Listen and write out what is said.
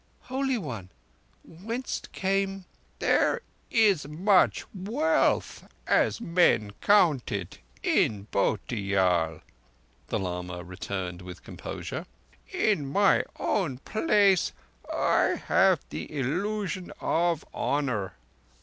Holy One, whence came—?" "There is much wealth, as men count it, in Bhotiyal," the lama returned with composure. "In my own place I have the illusion of honour.